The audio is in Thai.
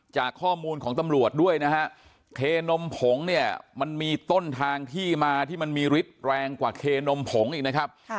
จากข้อมูลของตำรวจด้วยนะฮะเคนมผงเนี่ยมันมีต้นทางที่มาที่มันมีฤทธิ์แรงกว่าเคนมผงอีกนะครับ